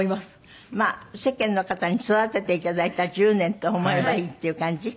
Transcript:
まあ世間の方に育てていただいた１０年と思えばいいっていう感じ？